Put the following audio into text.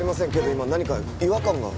今何か違和感が。